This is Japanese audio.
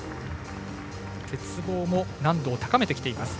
鉄棒も難度を高めてきています。